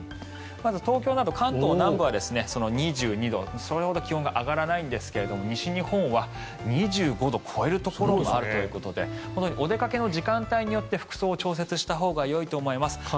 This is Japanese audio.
まず東京など関東南部は２２度それほど気温が上がらないんですが西日本は２５度を超えるところがあるということでお出かけの時間帯によって服装を調節したほうがよいと思います。